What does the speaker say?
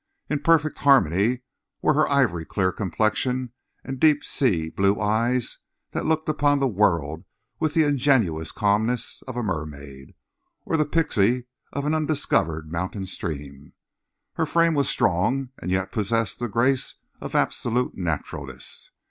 In perfect harmony were her ivory clear complexion and deep sea blue eyes that looked upon the world with the ingenuous calmness of a mermaid or the pixie of an undiscovered mountain stream. Her frame was strong and yet possessed the grace of absolute naturalness.